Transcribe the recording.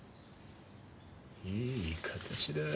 いい形だぁ。